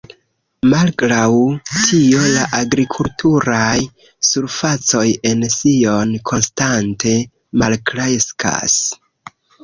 Malgraŭ tio la agrikulturaj surfacoj en Sion konstante malkreskas.